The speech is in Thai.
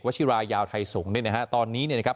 ชิรายาวไทยสงฆ์เนี่ยนะฮะตอนนี้เนี่ยนะครับ